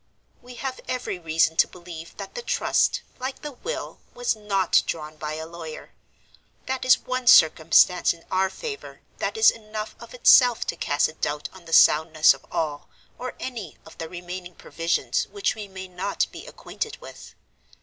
"We have every reason to believe that the Trust, like the Will, was not drawn by a lawyer. That is one circumstance in our favor that is enough of itself to cast a doubt on the soundness of all, or any, of the remaining provisions which we may not be acquainted with.